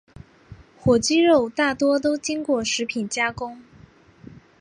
火鸡肉大多都经过食品加工。